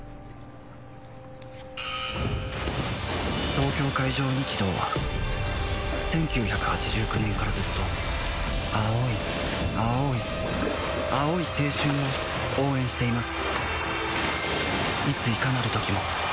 東京海上日動は１９８９年からずっと青い青い青い青春を応援しています